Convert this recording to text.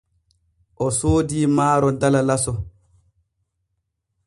O soodii maaro dala laso.